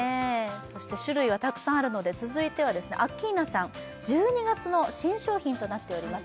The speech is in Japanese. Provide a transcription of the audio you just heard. そして種類はたくさんあるので続いてはですねアッキーナさん１２月の新商品となっております